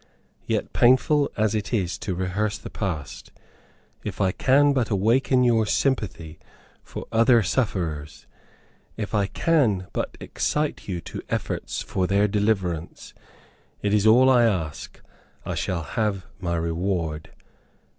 Yet, painful as it is to rehearse the past, if I can but awaken your sympathy for other sufferers, if I can but excite you to efforts for their deliverance, it is all I ask. I shall have my reward.